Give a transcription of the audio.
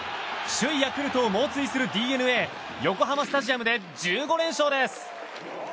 首位ヤクルトを猛追するＤｅＮＡ横浜スタジアムで１５連勝です！